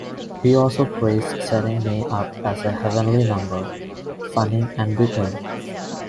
He also praised "Setting Me Up" as a "heavenly number, funny and bitter.